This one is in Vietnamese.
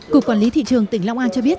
cục quản lý thị trường tỉnh long an cho biết